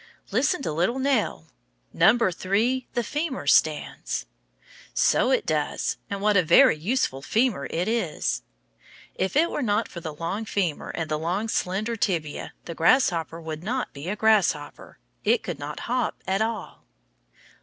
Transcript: Listen to little Nell, "number three the femur stands." So it does, and what a very useful femur it is! If it were not for the long femur and the long, slender tibia, the grasshopper would not be a grasshopper it could not hop at all.